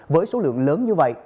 với số lượng lớn như vậy